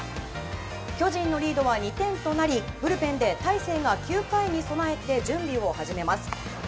巨人のリードは２点となりブルペンで大勢が９回に備えて準備を始めます。